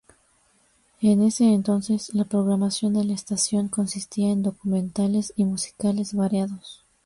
En ese entonces, la programación de la estación consistía en documentales y musicales variados.